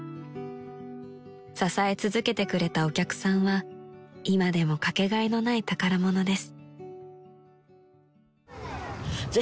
［支え続けてくれたお客さんは今でもかけがえのない宝物です］